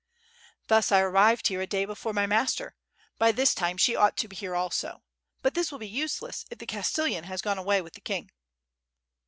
Thus I arrived here a day before my master; by this time she ought to be here also; ... but this will be useless if the castellan has gone awav with the kine."